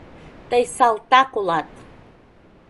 Тый салтак улат!